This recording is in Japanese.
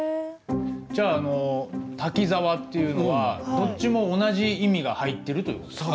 じゃああの「滝沢」っていうのはどっちも同じ意味が入ってるという事ですか？